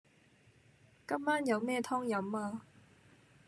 今晚有咩湯飲呀